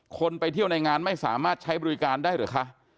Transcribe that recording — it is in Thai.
คนไปเที่ยวในงานไม่สามารถใช้บริการได้หรือคะ